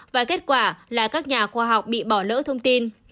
và kết quả là các nhà khoa học bị bỏ lỡ thông tin